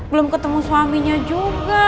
belum ketemu suaminya juga